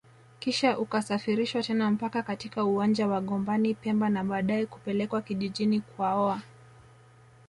kisha ukasafirishwa tena mpaka katika uwanja wa Gombani pemba na baadae kupelekwa kijijini kwaoa